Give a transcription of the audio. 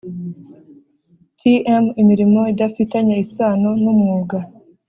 Tm imirimo idafitanye isano n umwuga